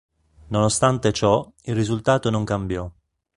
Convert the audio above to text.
Nonostante ciò, il risultato non cambiò.